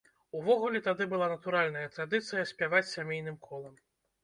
Увогуле, тады была натуральная традыцыя спяваць сямейным колам.